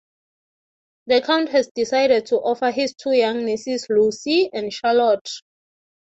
The count has decided to offer his two young nieces, Lucy and Charlotte.